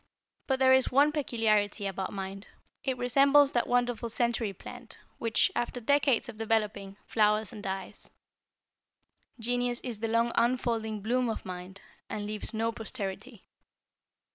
But there is one peculiarity about mind. It resembles that wonderful century plant which, after decades of developing, flowers and dies. Genius is the long unfolding bloom of mind, and leaves no posterity.